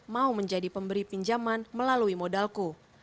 mau menjadi pemberi pinjaman melalui modalku